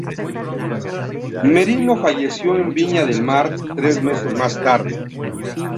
Merino falleció en Viña del Mar tres meses más tarde.